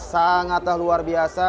sangatlah luar biasa